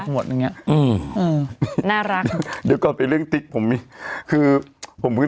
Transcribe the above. หมดอย่างเงี้ยอืมอืมน่ารักเดี๋ยวก่อนเป็นเรื่องติ๊กผมมีคือผมเพิ่ง